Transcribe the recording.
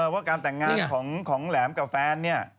ว่าการแต่งงานของแหลมกับแฟนเนี่ย